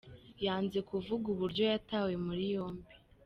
Yanze kuvuga uburyo yatawe muri yombi.